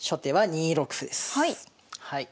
はい。